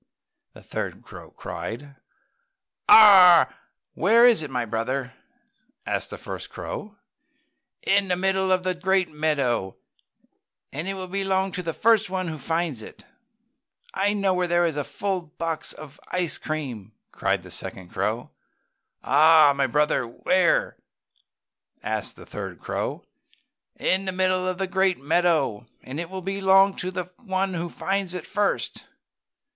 the third crow cried. "Ahhhh! Where is it, my brother?" asked the first crow. "In the middle of the great meadow, and it will belong to the one who finds it first." "I know where there is a box full of ice cream!" cried the second crow. "Aha! My brother, where?" asked the third crow. "In the middle of the great meadow, and it will belong to the one who finds it first!"